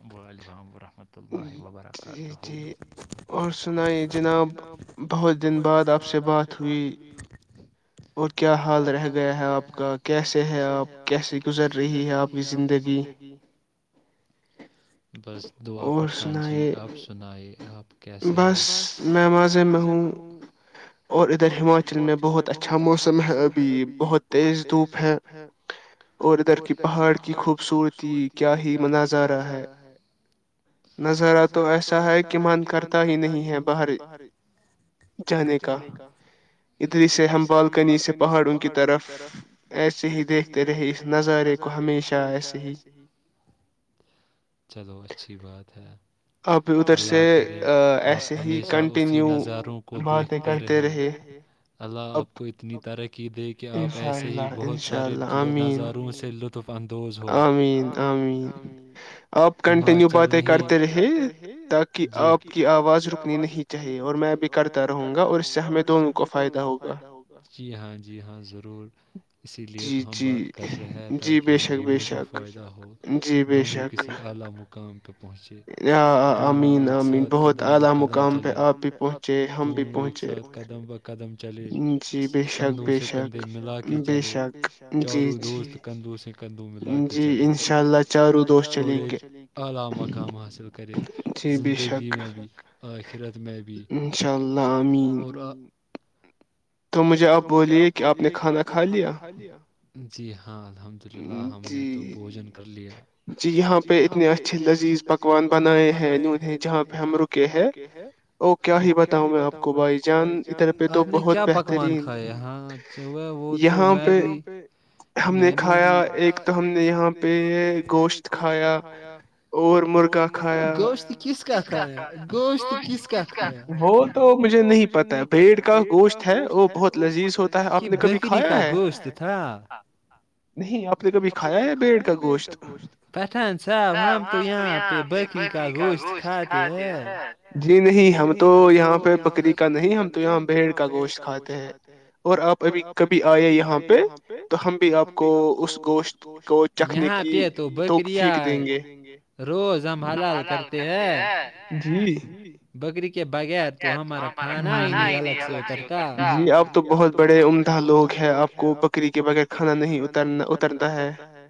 اب الرام پورہ وورحمۃہ اللہلہ وبرکاتہ بہت ش ال جناب بہت دن بعد آپ سے بات ہوئی اور کیا حال رہ گیا ہے آپ کا کیسے ہے آپ کیسے گزر رہی ہے آپ کی زندگی بس دعا پٹھان جی آپ سنئے آپ کیسے ہو بس میں مضے میں ہوں اور ادھر ہماچل میں اچھا موسم ہے ابھی بہت تیز دھوپ ہے اور ادھر کی پہاڑ کی خوبصورتی کیا ہی مناظارہ ہے نظارہ تو ایسا ہے کہ من کرتا ہی نہیں ہے باہر جانے کا اتلی سے ہم بالکنی سے پہاڑوں کی طرف ایسے ہی دیکھتے رہے اس نظارے کو ہمیشہ ایسے ہی چلو اچھی بات ہے اللہ کرے آپ ہمیشہ اسی نظاروں کو دیکھتے رہے اللہ آپ کو اتنی طرح کی کی دے کہ آپ ایسے ہی بہت سارے نظاروں سے لطف اندوز ہو آمر عامین ہماچل نہیں باتیں کرتے رہے جی کہ آپ کی آواز رکنی نہیں چاہیے اور میں اب کرتا رہوں گا اور اس سے ہمیں دونوں کو فائدہ ہوگا جی ہاں جی ہاں ضرور اسی لیے تو ہم بات کر رہے تاک ہم بے شک جی بے شک اللہ مقام پہنچے د ایک ساتھ کدم ب قدم چلے ت ایک ساتھ کدم ب قدم چلے کندھوں سے کندھے ملا کے چلے چاروں دوست کندھوں سے کندو میں ل کے چلے جی انشاء اللہ اللہ مقام حاصل کرے زندگی میں اخرت میں بھی انشاءاللہ تو مجھے آپ بولیے کہ آپ نے کھانا کھا لیا جی ہاں الحمد للہ ہم نے تو بوجن کر لیا یہاں پہ اتنے اچھے لذیذ پکوان بنائے ہیں انہ جہاں پہ ہم رکے ہیں او کیا ہی بتاؤں میں آپ کو بھائی جان ادھر پہ تو بہت پکوان کھائے ہاں اا وہ تو میں بھی میں نے کھایا ایک تو ہم نے یہاں پہ گوشت کھایا اور مرا گوشت کس کا کھایا گوشت کس کا کھایا گوشت کس کا کھایا وہ تو مجھے نہیں پتا ہے پیڑ کا گ وہ بہت لذیذ ہوتا ہے آپ نے کبھی کھایا ہے نہیں آپ نے کبھی کھایا ہے بیڑ کا گوشت اچھا ہم تو یہاں پہ بکری کا گوشت کھاتے ہیں جی نہیں ہم تو یہاں پہ بکری کا نہیں ہم تو یہاں بھیڑ کا گوشت کھاتے ہیں اور آپ ابھی کبھی آئے یہاں پہ تو ہم بھی آپ کو اس گوشت کو چکھنے کی بکریا روز ہم حل حال کرتے ہیں ج بکری کے بغیر تو ہمارا کھانا ہی نہیں الگ سے اترتا جی اب تو بہت بڑے عمدہ لوگ ہے آپ کو بکری کے بغیر کھانا نہیںترنا اترتا ہے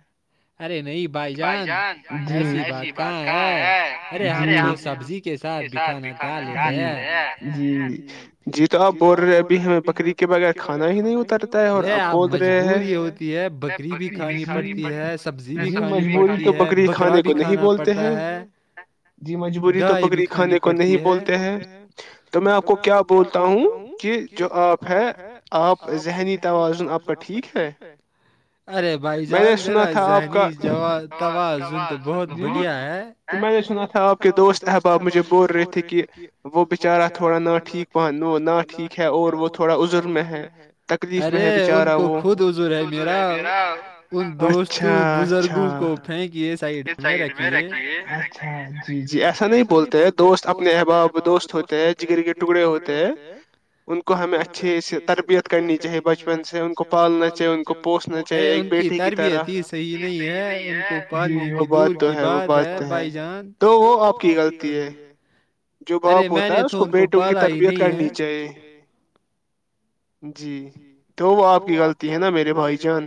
ارے نہیں بھائی جان ایسی بات کہاں ہے ارے ہم تو سبزی ساتھ بھی کھانا کھا لیتے ج جی تو آپ بول رہے ابھی ہمیں بکری کے بغیر کھانا ہی نہیں ہوتا آپ مجبوری ہوتی ہے بکری بھی کھانی پڑتی ہے سبزی بھی کھانی پڑتی ہے بکرا بھی کھانا پڑتا ہے گائے بھی کھ بولتے ہیں تو میں آپ کو کیا بولتا ہوں کہ جو آپ ہے آپ ذہنی توازن آپ کا ٹھیک ہے ارے بھائی جال میرا ذہنی توازن تو بہت بڑھیا ہے میں نے سنا تھا آپ کے دوست احباب مجھے بول رہے تھے کہ وہ بچارا تھوڑا نہ ٹھیک پہن نہ ٹھیک ہے اور وہ تھوڑا عضر میں ہے ارے ان کو خود عضر ہے میرا ان دوست تو بزرگوں کو پھینک یو سائڈ میں رھی جی جی ایسا نہیں بولتے دوست اپنے احباب دوست ہوتے ہیں جگرری کے ٹکڑے ہوتے ہیں ان کو ہمیں اچھے سے تربیت کرنی چاہیے بچپن سے ان کو پالنا چاہیے ان کو پوسنا چاہیے ایک بیٹی کی طرح یہ نہیں ہے ان کو وہ بات تو ہے وہ بات تو ہے تو وہ آپ کی غلطی ہے جو باپ ہوتا ہے اس کو بیٹوں کی تربیت کرنی چاہیے جی تو وہ آپ کی غلطی ہے نا میرے بھائی جان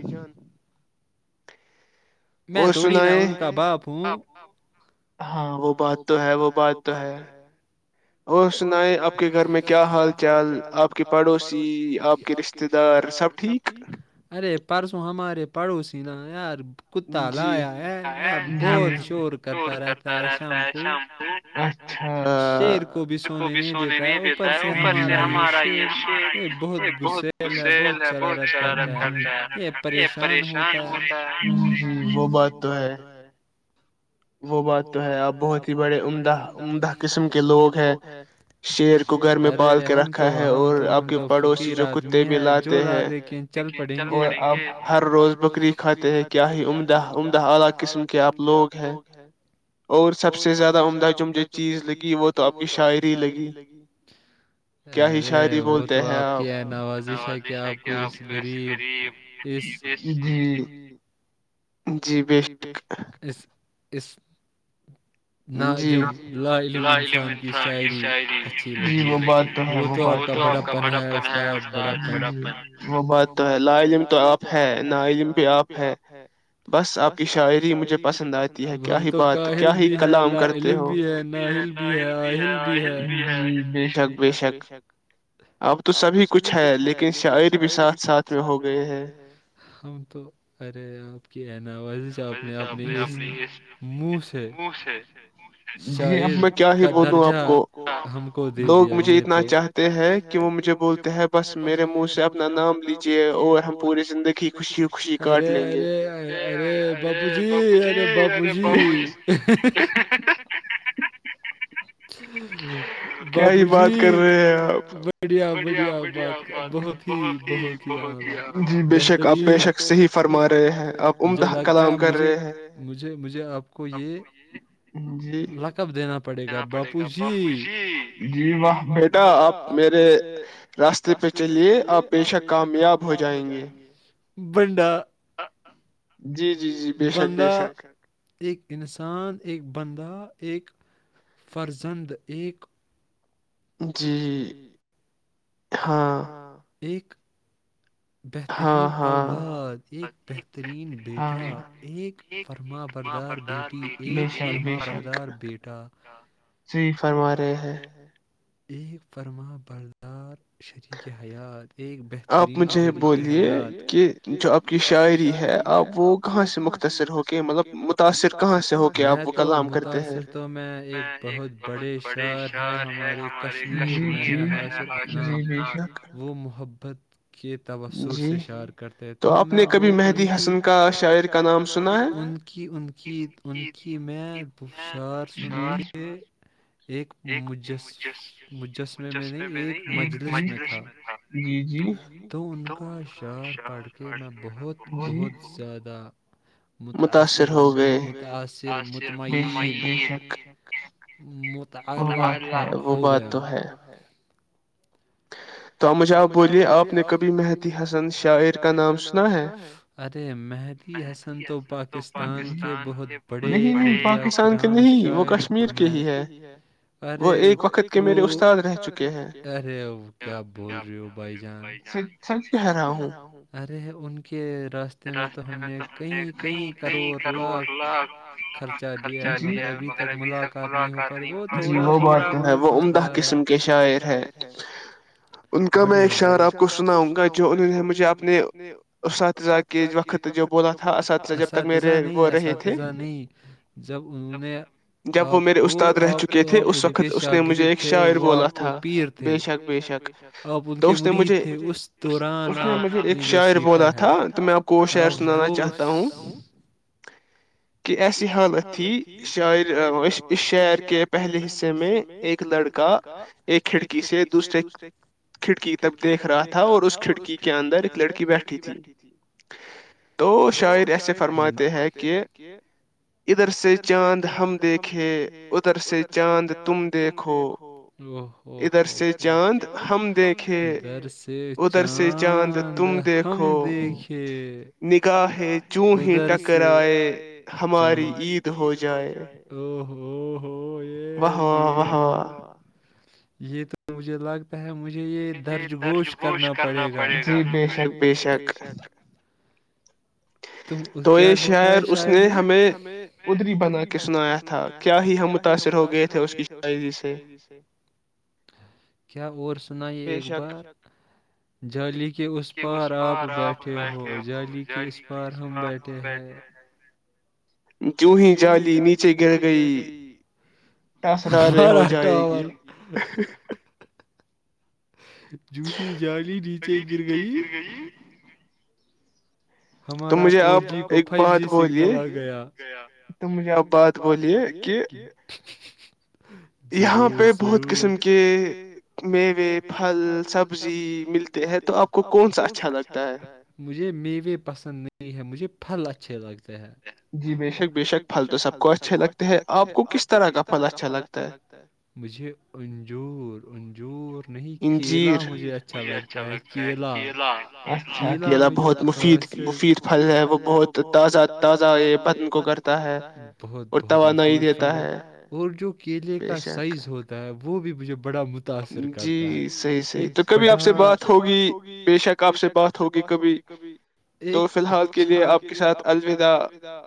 میں تھوڑی نا ان کا باپ ہوں ہاں وہ بات تو ہے وہ بات تو ہے اور سنائ آپ کے گھر میں کیا حال چال آپ کے پڑوسی آپ کے رشتتے دار سب ٹھیک ارے پرسوں ہمارے پڑوسی ن یار کتا لا آیا ہے بہت شور کرتا رہتا ہے شام کو شیر کو بھی سونے نہیں دیتا ہے اوپر سے ہمارا یہ شیر یہ بہت سل ہے بہت شرارت کرتا ہے یہ پریشان ہوتا ہے ہ ہ وہ بات تو ہے ہاں وہ بات جو ہے اپ بہت ہی بڑے عمدہ قسم کے لوگ ہیں اور سب سے زیادہ عمدہ ج جو چیز لگی وہ تو آپ کی شاعری لگی ارے وہ تو آپ کی نوازش ہے کہ آپ کو اس غریب اس ج جی بیسس اس جی للم انان کی شاعری جی وہ بات تو ہے بات آپ کا بڑان ہےتا با وہ بات تو ہے ل علم تو آپ ہے ن علم بھی آپ ہے بس آپ کی شاعری مجھے پسند آتی ہے کیا ہی بات کیا ہی ال علم بھی ہے ناہل بھی ہے آہل بھی ہے بے شک ب شک اب تو سبھی کچھ ہے لیکن شاعر بھی ساتھ ساتھ میں ہو گئے ہے ہم تو ارے آپ ا ا چ اپنے اپنی اس منہ سے شاعر کا درجہ کو ہم کو دے دیا یہ اتنا چاہتے ہیں کہ وہ مجھے بولتے ہیں بس میرے منہ سے اپنا نام لیجے اور ہم پوری زندگی خوشی ہورے [unintelligible] ارے باپو جی ارے باپو جی [unintelligible] باپو جی بڑھیا بڑھیا بات بہت ہی بہت ہی اع بہترین ب شک سے فرما مجھے لگتا ہے مجھے مجھے مجھے آپ کو یہ رقب دینا پ [unintelligible] دینا پڑے گا باپو جی جی وہاہ بیٹا آپ میرے راستے پہ چلیے آپ بےشک کامیاب ہو جائیں گے بنڈا ج ج بندہ ایک انسان ایک بندہ ایک فرزند ایک جی ہاں ایک بہترین اولاد ایک بہترین بیٹا ایک فرم بردار بیٹی ایک فرم بردار بیٹا جی فرما رہے ہیں ایک فرماں بردار شریک حیات ایک بہترینریقےیا کہ جو آپ کی شاعری ہے آپ وہ کہاں سے مختصر ہوگ مطلب متاثر کہاں سے میں تو متاثر تو میں ایک بہت بڑے شعر ہے ہمارے کشمیر میں ہے حاشر عفنان وہ محبت کے تبسر سے اشعار کرتے ہیں تو میں وہاعر ان کی ان کی ان کی میں ب شعار سن کے ایک مجس مجسمے میں نہیں ایک مجلس میں تھا تو ان کا اشعار پڑھ کے میں بہت بہت زیادہ متاثر متاثر مطمئن م ال اللہ ہو گیا [unintelligible] تو مجہ آپ بولیے آپ نے کبھی مہتیی حسن شاعر کا نام سنا ہے ادے مہدی حسن تو پاکستان کے بہت بڑے اولیا کرام شاعر میں ارےک ارے وہ کیا بول رہی ہو بھائی جان ارے ان کے راستے میں تو تو ہم نے کئی کئی کروڑ لاکھ لاکھ خرچہ کیا ہے مگر ابھی تک ملاقات نہیں ہوات وہ عمدہ قسم کے شاعر ہے ان کا میں ایک شعر آپ کو سناؤں گا جو انہوں نے مجھے اپنے اساتذہ کے وقت اساتذہ نہیں اساتذہ نہیں جب انہوں نے آپ کو آپ کو ان کے شاگررد تھے اور وہ آپ کو پیر تھےکک آپ ان کے مرید تھے اس دوران آپ نے جو سیکھا ہے آپ سنانا چاہتا ہوں کہ ایسی حالت تھی شاعر اس شہر کے پہلے حصے میں ایک لڑکا ایک کھڑکی سے دوسرے کھڑکی تک دیکھ رہا تھا اور اس کھڑکی کے اندر ایک لڑکی بیٹھی تھی تو شاعر ایسے فرماتے ہے کہ ادھر سے چاند ہم دیکھے ادھر سے چاند تم دیکھو ادھر سے چاند ہم دیکھ ادھر سے چانداند ہم دیکھے نگاہے ادھر سے کرائے اچھا ہماری عید ہو جائے او ہو و واہ و یہ تو مجھے لگتا ہے مجھ مجھے یہ درج گوش کرنا پڑے ب شک بے شک کیا شاعر نے نے ہمیںدری بنا کے سنایا تھا کیا ہی ہم متاثر ہو گئے تھے اس کی شاعری سے کیا اور نائی ایک بار جالی کے اس پار آپ بیٹھے ہو جالی کے اس پار اور ہم بیٹھے ہیں جوہ جالی نیچے گر گئی ٹسرارے ہو جائے گی جوی جالی نیچے گر گج گ ہمارا فور جی کو فائیو جی سگنل آ گیا تو مجھے آپ بات بولیے کہ ضرور بہت قسم کے میوے پھل سبزی ملتے ہیں تو آپ کو کون سا اچھا لگتا ہے مجھے م پسند نہیں ہے مجھے پھل اچھے لگتے جی بے شک بے شک پل تو سب کو اچھے لگتے ہیں آپ کو کس طرح کا پھل اچھا لگتا ہے مجھے انجور انج جوور نہیں کیلا مجھے اچھا لگتا ہے کیلا کی کیلا میں جوف پھل ہے وہ بہت تازہ تازہ بدن کو کر بہت بہت مفید ف اور جو کیلے کا سائز ہوتا ہے وہ بھی مج بڑا متاثر کرتا ہے آپ سے بات ہوگی بے شک آپ سے بات ہوگی کبھی ایک توی الحال کے لیے آپ کے ساتھ الوداع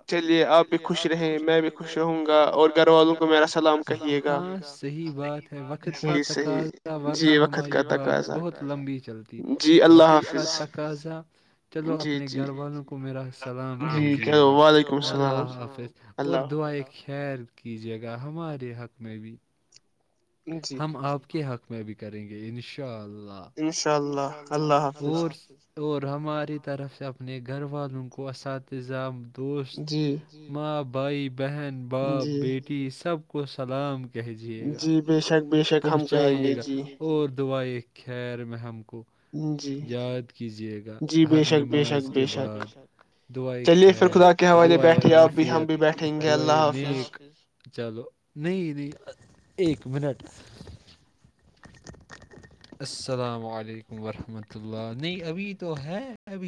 کے لیے آپ بھی خوش رہے میں بھی خوش رہوں گا اور گھر والوں کو میرا سسلام ہاں صحیح بات ہے وقت کا تقاضا ورنہ ہماری بات بہت لمبی چلتی وقت کا تقاضا چلو اپنے گھر والوں کو میرا سلام کہجیے گا اللہ حافظ اور دا ایک خیر کیجیے گا ہمارے حق میں بھی ہم آپ کے حق میں بھی کریں گے ان شاء اللہ لہ انشاء اللہ اور ہماری طرف سے اپنے گھر والوں کو اساتذہ دوست ماں بائپ [unintelligible] بہن باپ بیٹی سب کو سلام کیا کہجیے گا پہنچائیے گا اور دعائی ایک خیر م ہمم کو یاد کیجے گا ہر نماز کے بعد دعائی کیر دعائی آفت دعئے نیک چلو نہیں نہیں ایک منٹ السلام علیکم ورحمت اللہ نہیں ابھی تو ہے ابھی